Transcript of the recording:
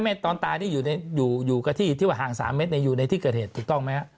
ตอนตายที่อยู่กับที่ที่ว่าห่าง๓เมตรอยู่ในที่เกิดเหตุถูกต้องไหมฮะ